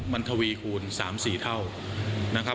มันทวีคูณ๓๔เท่า